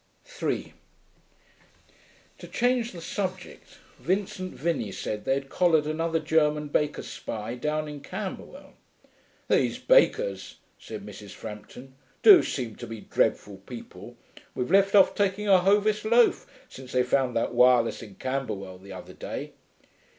3 To change the subject Vincent Vinney said they had collared another German baker spy down in Camberwell. 'These bakers,' said Mrs. Frampton, 'do seem to be dreadful people. We've left off taking our Hovis loaf, since they found that wireless in Camberwell the other day.'